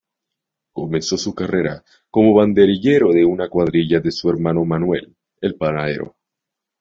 Comenzó su carrera como banderillero en la cuadrilla de su hermano Manuel, el Panadero.